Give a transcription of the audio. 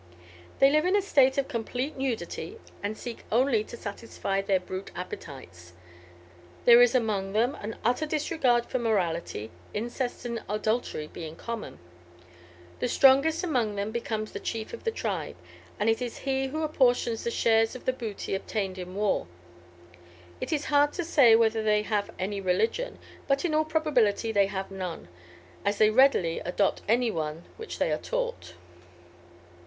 "They live in a state of complete nudity, and seek only to satisfy their brute appetites. There is among them an utter disregard for morality, incest and adultery being common. The strongest among them becomes the chief of the tribe; and it is he who apportions the shares of the booty obtained in war. It is hard to say whether they have any religion; but in all probability they have none, as they readily adopt any one which they are taught.